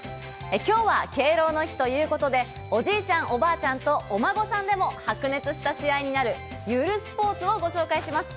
今日は敬老の日ということで、おじいちゃん、おばあちゃんとお孫さんでも白熱した試合になる、ゆるスポーツをご紹介します。